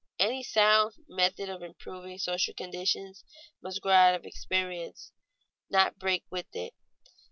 _Any sound method of improving social conditions must grow out of experience, not break with it.